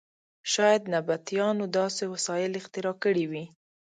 شاید نبطیانو داسې وسایل اختراع کړي وي.